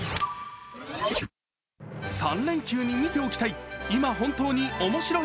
３連休に見ておきたい